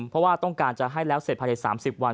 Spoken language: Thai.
เพราะว่าต้องการจะให้แล้วเสร็จภายใน๓๐วัน